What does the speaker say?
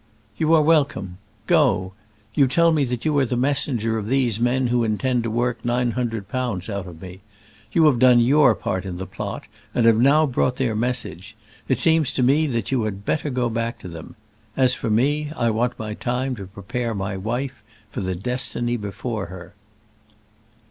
"You are welcome. Go. You tell me that you are the messenger of these men who intend to work nine hundred pounds out of me. You have done your part in the plot, and have now brought their message. It seems to me that you had better go back to them. As for me, I want my time to prepare my wife for the destiny before her."